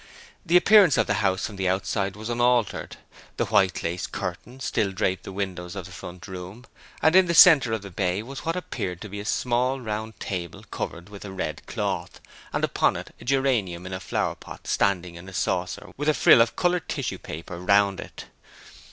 The appearance of the house from outside was unaltered: the white lace curtains still draped the windows of the front room; and in the centre of the bay was what appeared to be a small round table covered with a red cloth, and upon it a geranium in a flowerpot standing in a saucer with a frill of coloured tissue paper round it.